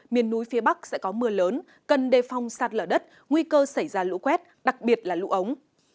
miền núi phía bắc sẽ có mưa lớn cần đề phong sạt lở đất nguy cơ xảy ra lũ quét đặc biệt là lũ ống